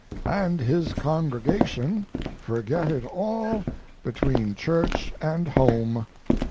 And his congregation forget it all between church and home.